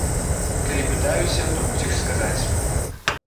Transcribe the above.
Калі пытаюся, то мусіш сказаць.